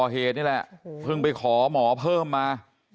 วันนี้พอกับแม่ก็มาที่โรงพักนะฮะมาดูลูกคลายนะฮะ